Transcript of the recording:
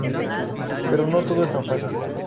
Pero no todo es tan fácil.